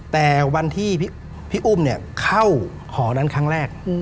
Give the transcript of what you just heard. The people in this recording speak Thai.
แต่วันที่พี่อุ้มเข้าหอนั้นครั้งแรก